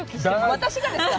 私がですか？